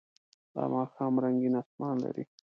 دا ماښام رنګین آسمان لري.